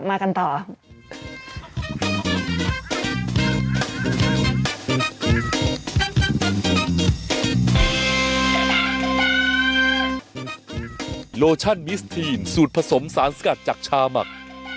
เอาไว้ค่ะเดี๋ยวกลับมากันต่อ